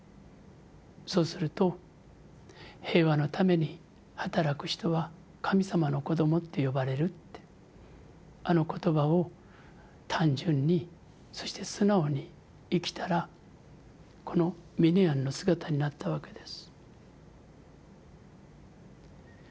そうすると平和のために働く人は神様の子どもって呼ばれるってあの言葉を単純にそして素直に生きたらこのミネヤンの姿になったわけです。